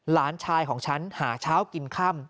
หลานชายของฉันหาเช้ากินค่ำ